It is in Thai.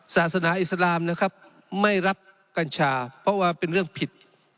ศาสนาอิสลามนะครับไม่รับกัญชาเพราะว่าเป็นเรื่องผิด